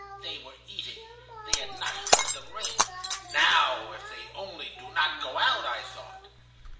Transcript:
They were eating. They had not heard the ring. 'Now if they only do not go out,' I thought.